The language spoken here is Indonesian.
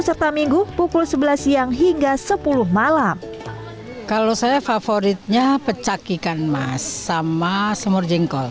serta minggu pukul sebelas hingga sepuluh malam kalau saya favoritnya pecah ikan mas whatsapp bully tol